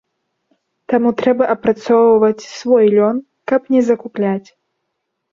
Таму трэба апрацоўваць свой лён, каб не закупляць.